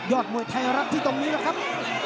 มวยไทยรัฐที่ตรงนี้แหละครับ